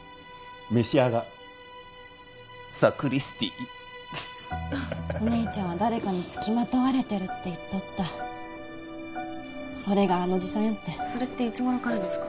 召し上がサクリスティーお姉ちゃんは誰かに付きまとわれてるって言っとったそれがあのおじさんやってんそれっていつ頃からですか？